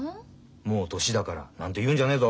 「もう年だから」なんて言うんじゃねえぞ。